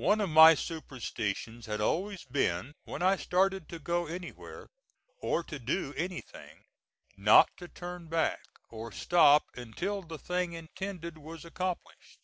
One of my superstitions had always been when I started to go any where, or to do anything, not to turn back, or stop until the thing intended was accomplished.